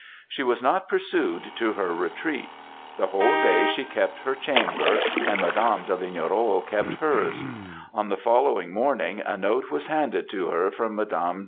"She was not pursued to her retreat; the whole day she kept her chamber, and Mdme. de Lignerolles kept hers. On the following morning, a note was handed to her from Mdme.